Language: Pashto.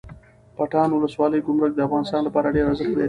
پټان ولسوالۍ ګمرک د افغانستان لپاره ډیره ارزښت لري